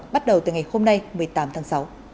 bắt đầu từ ngày hôm nay một mươi tám tháng sáu